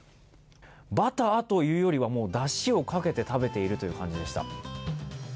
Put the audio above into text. バターというよりは、だしをかけて食べてるという感じでした。